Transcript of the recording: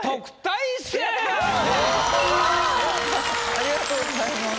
ありがとうございます。